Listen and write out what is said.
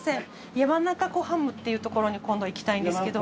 山中湖ハムっていうところに今度行きたいんですけど。